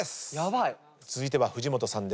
続いては藤本さん。